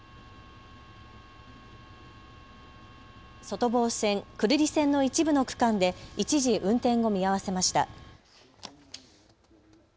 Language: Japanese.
外房線、久留里線の一部の区間で一時、運転を見合わせました。